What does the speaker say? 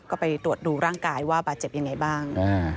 ก็ไปตรวจดูร่างกายว่าบาดเจ็บยังไงบ้าง